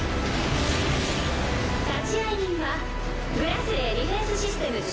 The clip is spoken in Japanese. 立会人は「グラスレー・ディフェンス・システムズ」